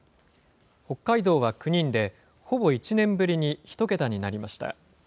北海道は９人で、ほぼ１年ぶりに１桁になりました。